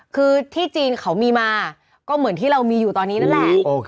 คือที่จีนเขามีมาก็เหมือนที่เรามีอยู่ตอนนี้นั่นแหละ